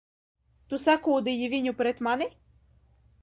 Tu sakūdīji viņu pret mani!